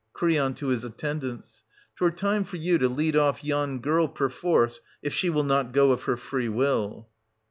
Cr. {to his attendants). 'Twere time for you to lead off yon girl perforce, \i she will not go of her free will.